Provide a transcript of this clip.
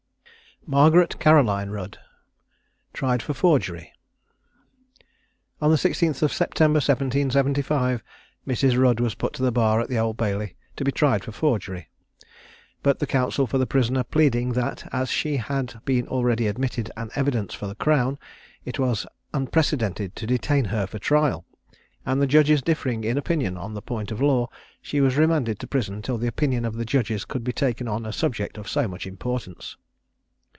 MARGARET CAROLINE RUDD. TRIED FOR FORGERY. On the 16th of September, 1775, Mrs. Rudd was put to the bar at the Old Bailey, to be tried for forgery; but the counsel for the prisoner pleading that, as she had been already admitted an evidence for the crown, it was unprecedented to detain her for trial, and the judges differing in opinion on the point of law, she was remanded to prison till the opinion of the judges could be taken on a subject of so much importance.